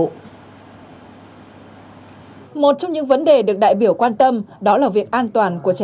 một trong những vấn đề được đại biểu quan tâm đó là việc an toàn của chế